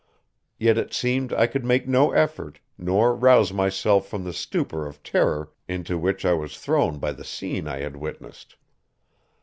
Yet it seemed I could make no effort, nor rouse myself from the stupor of terror into which I was thrown by the scene I had witnessed.